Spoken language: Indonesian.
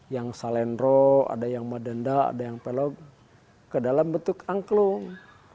yang salendro ada yang madenda ada yang pelok ke dalam bentuk angklung